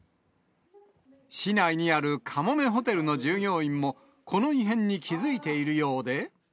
市内にあるかもめホテルの従業員も、この異変に気付いているようで。